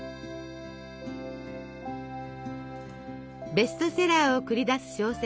ベストセラーを繰り出す小説